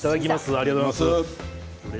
ありがとうございます。